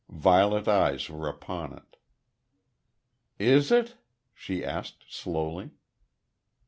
Violet eyes were upon it. "Is it?" she asked, slowly.